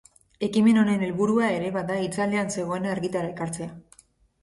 Ekimen honen helburua ere bada itzalean zegoena argitara ekartzea.